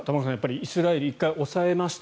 イスラエルは１回抑えました。